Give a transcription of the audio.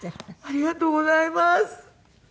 ありがとうございます。